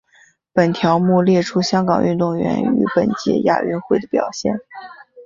本条目列出香港运动员于本届亚运会的表现。